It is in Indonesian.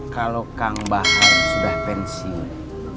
kalau kang bahar sudah pensiun